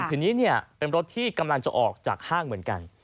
ทีนี้เป็นรถที่กำลังจะออกจากห้างเหมือนกัน